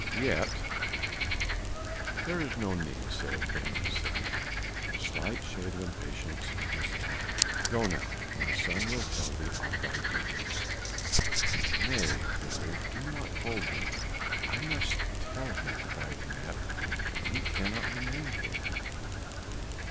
"Yet " "There is no need," said Ben Hesed, a slight shade of impatience in his tone. "Go now, my son will tell thee of thy duties." "Nay, brother, do not hold me, I must tell him," cried Anat. "We cannot remain here."